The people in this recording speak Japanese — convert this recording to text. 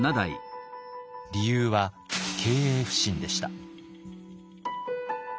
理由は経営不振でした。